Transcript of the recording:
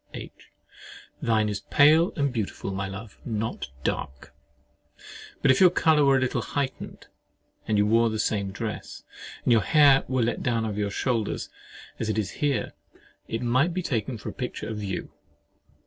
H. Thine is pale and beautiful, my love, not dark! But if your colour were a little heightened, and you wore the same dress, and your hair were let down over your shoulders, as it is here, it might be taken for a picture of you.